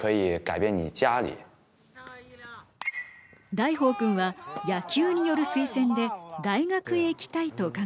大宝くんは野球による推薦で大学へ行きたいと考えています。